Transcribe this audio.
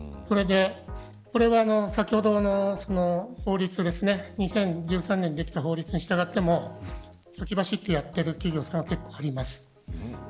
これは法律２０１３年にできた法律に従っても先走ってやっている企業さんは結構あります。